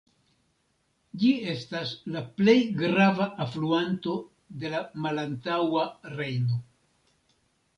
Ĝi estas la plej grava alfluanto de la Malantaŭa Rejno.